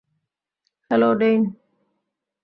Hello, ডেইন।